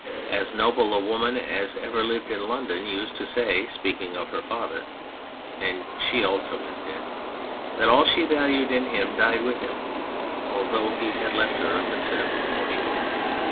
As noble a woman as ever lived in London used to say, speaking of her father (and she also is dead), that 'all she valued in him died with him, although he had left her a considerable fortune.